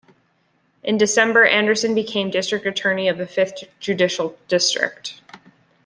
In December Anderson became district attorney of the Fifth Judicial District.